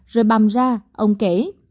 rồi băm ra ông kể